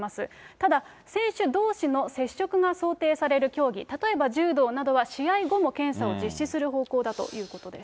ただ、選手どうしの接触が想定される競技、例えば柔道などは、試合後も検査を実施する方向だということです。